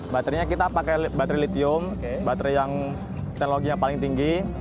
baterainya kita pakai baterai litium baterai yang teknologi yang paling tinggi